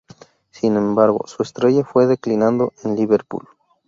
Sin embargo su estrella fue declinando en Liverpool.